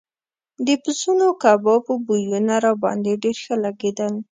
د پسونو کبابو بویونه راباندې ډېر ښه لګېدل.